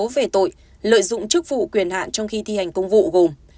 sáu về tội lợi dụng chức vụ quyền hạn trong khi thi hành công vụ gồm